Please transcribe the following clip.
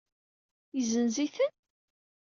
Yezenz-iten?